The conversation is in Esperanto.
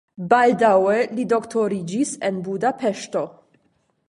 Baldaŭe li doktoriĝis en Budapeŝto.